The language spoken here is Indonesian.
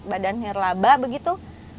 badan nirlaba begitu